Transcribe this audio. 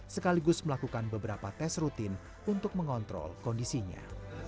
sekaligus melakukan beberapa tes rutin untuk mengontrol kondisinya